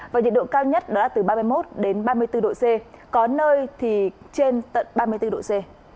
và nhiệt độ cao nhất đó là từ ba mươi một đến ba mươi bốn độ c có nơi thì trên tận ba mươi bốn độ c